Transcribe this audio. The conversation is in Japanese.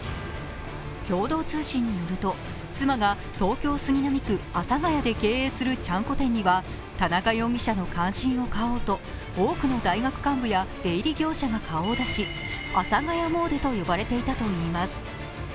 共同通信によると妻が東京・杉並区阿佐ヶ谷で経営するちゃんこ店には、田中容疑者の歓心を買おうと多くの大学幹部や出入り業者が顔を出し、阿佐ヶ谷詣でと呼ばれていたといいます。